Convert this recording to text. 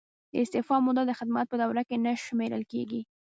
د استعفا موده د خدمت په دوره کې نه شمیرل کیږي.